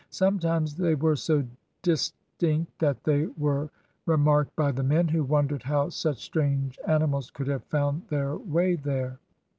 Sometimes they were so distinct that they were remarked by the men, who wondered how such strange animals could have found their way there.